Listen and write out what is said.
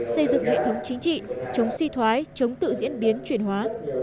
xây dựng hệ thống chính trị chống suy thoái chống tự diễn biến chuyển hóa